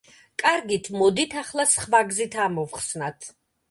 კარგით, მოდით ახლა სხვა გზით ამოვხსნათ.